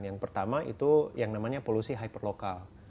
yang pertama itu yang namanya polusi hyperlokal